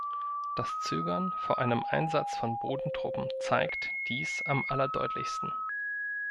Das Zögern vor einem Einsatz von Bodentruppen zeigt dies am allerdeutlichsten.